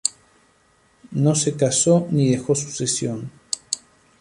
No se casó ni dejó sucesión.